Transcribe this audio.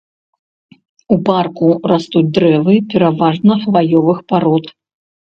У парку растуць дрэвы пераважна хваёвых парод.